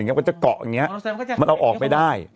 มันจะเกาะอย่างนี้มันเอาออกไปได้